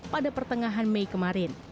pada pertengahan mei kemarin